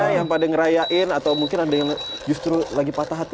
ada yang pada ngerayain atau mungkin ada yang justru lagi patah hati